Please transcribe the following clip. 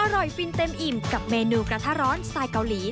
ฟินเต็มอิ่มกับเมนูกระทะร้อนสไตล์เกาหลี